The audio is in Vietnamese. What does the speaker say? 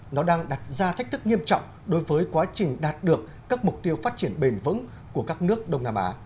nó đang đặt ra thách thức nghiêm trọng đối với quá trình đạt được các mục tiêu phát triển bền vững của các nước đông nam á